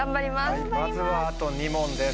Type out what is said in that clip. まずはあと２問です。